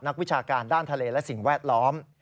วิชาการด้านทะเลและสิ่งแวดล้อม